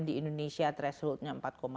di indonesia thresholdnya